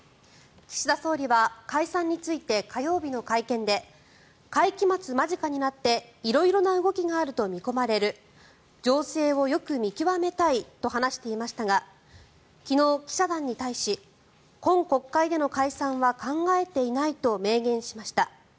岸田総理は解散について火曜日の会見で会期末間近になって色々な動きがあると見込まれる情勢をよく見極めたいと話していましたが昨日、記者団に対し今国会での解散は考えていないと明言しました。